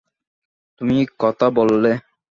তুমি কথা বললে!